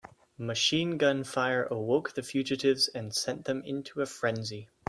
Machine gun fire awoke the fugitives and sent them into a frenzy.